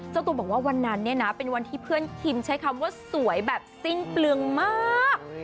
เจ้าตัวบอกว่าวันนั้นเนี่ยนะเป็นวันที่เพื่อนคิมใช้คำว่าสวยแบบสิ้นเปลืองมาก